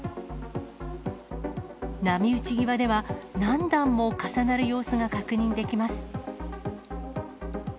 波打ち際では、何段も重なる様子が確認できます。